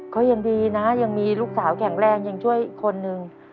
ก็ยังดีนะยังมีลูกสาวแข็งแรงยังช่วยอีกคนนึง